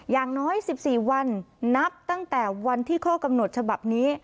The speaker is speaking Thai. อย่างน้อย๑๔วันนับตั้งแต่วันที่ข้อกำหนดฉบับนี้